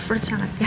fruit salad ya